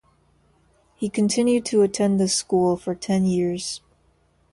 He continued to attend this school for ten years.